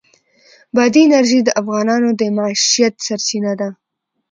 بادي انرژي د افغانانو د معیشت سرچینه ده.